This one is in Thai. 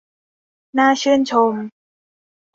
น่าชื่นชม